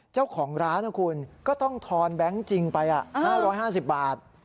เจ้าของร้านนะคุณก็ต้องทอนแบงค์จริงไป๕๕๐บาท